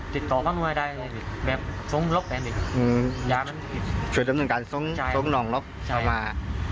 ผมฟังเวลาได้ละ